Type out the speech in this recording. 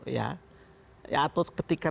ya atau ketika